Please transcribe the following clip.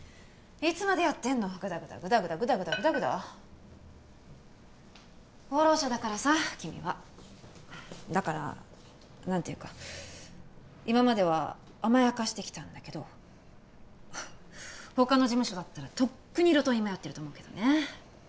いつまでやってんのぐだぐだぐだぐだぐだぐだぐだぐだ功労者だからさ君はだから何ていうか今までは甘やかしてきたんだけど他の事務所だったらとっくに路頭に迷ってると思うけどね